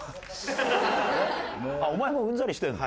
えっお前もうんざりしてるの？